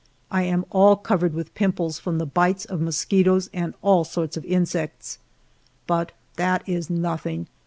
I am all covered with pimples from the bites of mosquitoes and all sorts of insects. But that is nothing